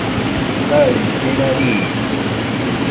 kaɨmo llera riide